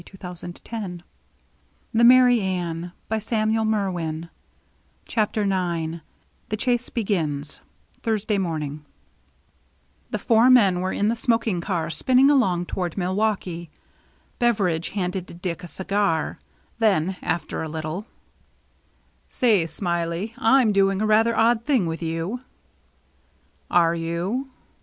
" CHAPTER IX THE CHASE BEGINS — THURSDAY MORNING <^^^^ CHAPTER IX THE CHASE BEGINS — THURSDAY MORNING THE four men were in the smoking car, spinning along toward Milwaukee. Beveridge handed Dick a cigar. Then, after a little :—" Say, Smiley, Fm doing a rather odd thing with you." "Are you?"